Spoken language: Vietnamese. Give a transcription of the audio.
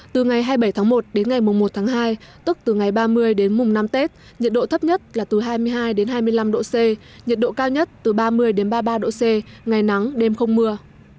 từ ngày hai mươi bảy tháng một đến ngày một tháng hai tức từ ngày ba mươi đến mùng năm tết nhiệt độ thấp nhất là từ hai mươi hai hai mươi năm độ c nhiệt độ cao nhất từ ba mươi ba mươi ba độ c ngày nắng đêm không mưa